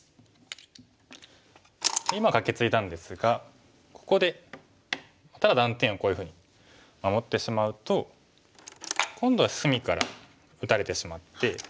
今カケツイだんですがここでただ断点をこういうふうに守ってしまうと今度は隅から打たれてしまって。